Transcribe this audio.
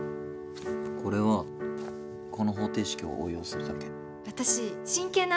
これはこの方程式を応用するだけ。